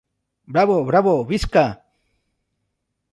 Bravo, bravo, visca!